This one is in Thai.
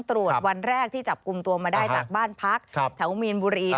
ตรวจวันแรกที่จับกลุ่มตัวมาได้จากบ้านพักแถวมีนบุรี